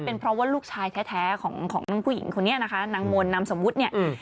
เป็นเพราะว่าลูกชายแท้ของของน้องผู้หญิงคนนี้นะคะนางมนต์นามสมมุติเนี่ย